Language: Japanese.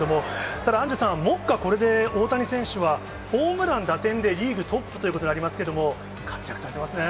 ただアンジュさん、目下、これで大谷選手はホームラン、打点でリーグトップということになりますけれども、活躍されてますね。